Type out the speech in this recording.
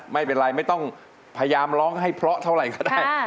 ไม่ต้องพยายามร้องให้เพราะเท่าไหร่ก็ได้